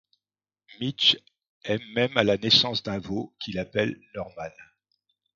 Mitch aide même à la naissance d'un veau qu'il appelle Norman.